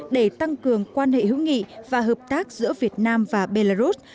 để tăng cường quan hệ hữu nghị và hợp tác giữa việt nam và belarus